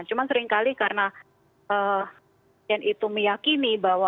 cuma sering kali karena yang itu meyakini bahwa